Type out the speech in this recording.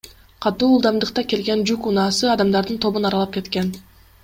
Катуу ылдамдыкта келген жүк унаасы адамдардын тобун аралап кеткен.